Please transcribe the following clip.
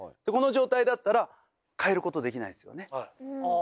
この状態だったら変えることできないですよね？